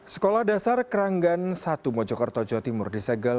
sekolah dasar keranggan satu mojokerto jawa timur di segel